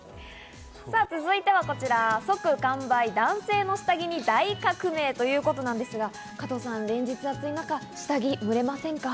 続いてはこちら即完売、男性の下着に大革命ということなんですが、加藤さん、連日暑い中、下着ムレませんか？